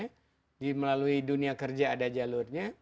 jadi melalui dunia kerja ada jalurnya